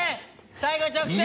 最後直線！